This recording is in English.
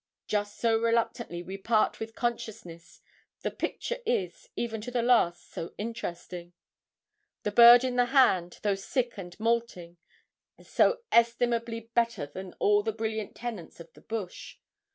Just so reluctantly we part with consciousness, the picture is, even to the last, so interesting; the bird in the hand, though sick and moulting, so inestimably better than all the brilliant tenants of the bush.